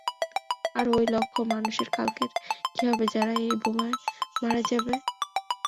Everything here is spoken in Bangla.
আর ঐ লক্ষ্য মানুষের কালকের কি হবে যারা এই বোমায় মারা যাবে?